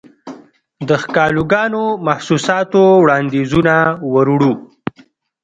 دښکالوګانو، محسوساتووړاندیزونه وروړو